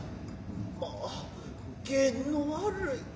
まあゲンの悪い。